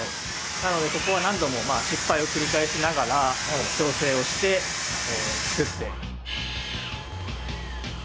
なのでここは何度もまあ失敗を繰り返しながら調整をして作って。